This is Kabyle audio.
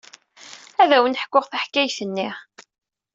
Ad awen-d-ḥkuɣ taḥkayt-nni.